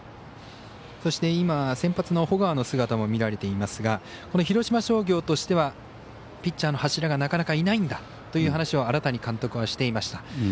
そして、今先発の保川の姿も見られていますが広島商業としてはピッチャーの柱がなかなかいないんだという話を荒谷監督はしていました。